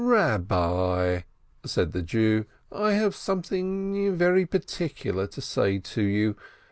"Eabbi," said the Jew, "I have something very par ticular to say to you!